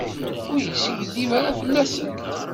Ur yeskiddib ara fell-asent.